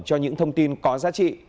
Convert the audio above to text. cho những thông tin có giá trị